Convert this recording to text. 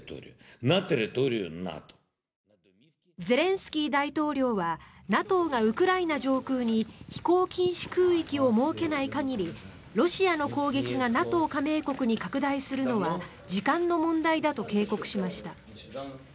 ゼレンスキー大統領はＮＡＴＯがウクライナ上空に飛行禁止空域を設けない限りロシアの攻撃がＮＡＴＯ加盟国に拡大するのは時間の問題だと警告しました。